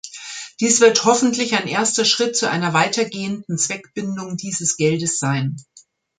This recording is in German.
Dies wird hoffentlich ein erster Schritt zu einer weitergehenden Zweckbindung dieses Geldes sein.